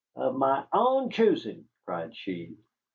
"Of my own choosing!" cried she.